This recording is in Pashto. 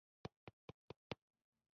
طالب پالنې فرهنګ لا غښتلی شي.